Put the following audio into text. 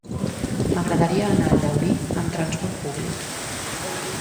M'agradaria anar a Llaurí amb transport públic.